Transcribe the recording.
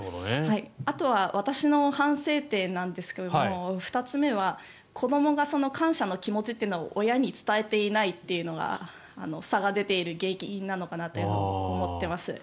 あとは私の反省点なんですが２つ目は子どもが感謝の気持ちというのを親に伝えていないというのが差が出ている原因なのかなと思っています。